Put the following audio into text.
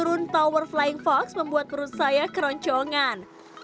turun tower flying fox membuat perut saya keroncongan